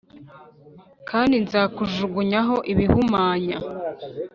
Kandi nzakujugunyaho ibihumanya